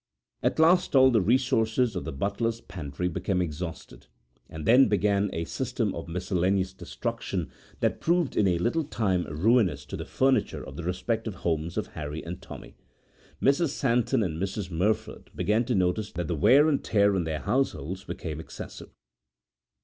At last all the resources of the butler's pantry became exhausted, and then began a system of miscellaneous destruction that proved in a little time ruinous to the furniture of the respective homes of Harry and Tommy. Mrs Santon and Mrs Merford began to notice that the wear and tear in their households became excessive.